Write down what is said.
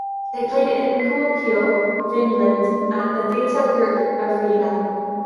They play in Kuopio, Finland at the Data Group Areena.